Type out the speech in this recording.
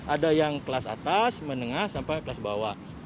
ada yang kelas atas menengah sampai kelas bawah